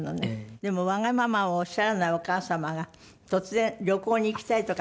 でもわがままをおっしゃらないお母様が突然旅行に行きたいとかっておっしゃられたって？